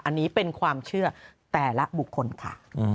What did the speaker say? อันนี้เป็นความเชื่อแต่ละบุคคลค่ะ